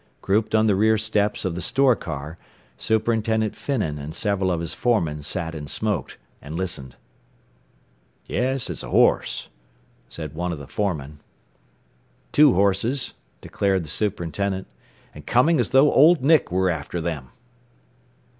Grouped on the rear steps of the store car, Superintendent Finnan and several of his foremen sat and smoked, and listened. "Yes; it's a horse," said one of the foremen. "Two horses," declared the superintendent. "And coming as though Old Nick were after them."